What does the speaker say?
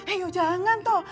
eh yuk jangan toh